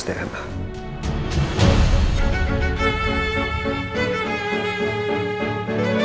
setelah elsa melahirkan nanti